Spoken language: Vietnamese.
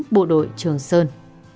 bộ đội trường sơn